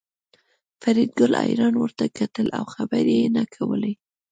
فریدګل حیران ورته کتل او خبرې یې نه کولې